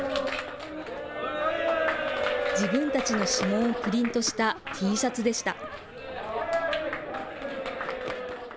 自分たちの指紋をプリントしたＴシャツでした。